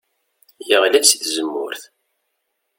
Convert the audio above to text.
Yeɣli-d si tzemmurt.